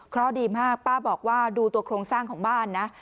เพราะดีมากป้าบอกว่าดูตัวโครงสร้างของบ้านนะ